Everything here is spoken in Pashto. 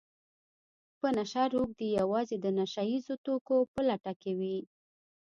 په نشه روږدي يوازې د نشه يیزو توکو په لټه کې وي